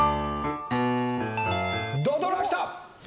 土ドラきた！